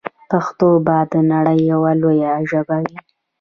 پښتو به د نړۍ یوه لویه ژبه وي.